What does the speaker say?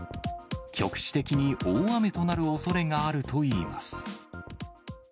局地的に大雨となるおそれがあるといいます。